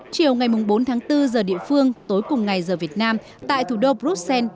chiều ngày bốn tháng bốn giờ địa phương tối cùng ngày giờ việt nam tại thủ đô bruxelles